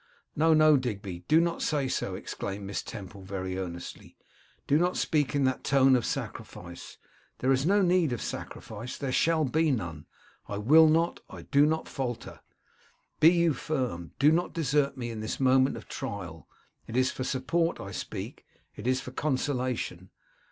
'No, no, Digby; do not say so,' exclaimed Miss Temple, very earnestly; 'do not speak in that tone of sacrifice. There is no need of sacrifice; there shall be none. I will not, I do not falter. Be you firm. Do not desert me in this moment of trial. It is for support I speak; it is for consolation.